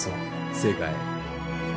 正解。